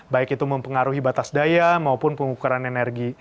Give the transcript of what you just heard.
baik itu mempengaruhi batas daya maupun pengukuran energi